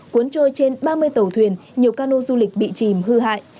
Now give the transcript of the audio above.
cuốn trôi trên ba mươi tàu thuyền nhiều cano du lịch bị chìm hư hại